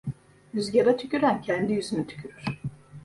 Rüzgâra tüküren kendi yüzüne tükürür.